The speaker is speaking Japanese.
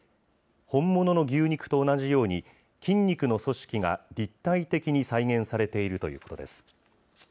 本物の牛肉と同じように、筋肉の組織が立体的に再現されているということです。